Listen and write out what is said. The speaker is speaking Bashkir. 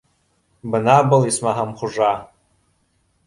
- Бына был, исмаһам, хужа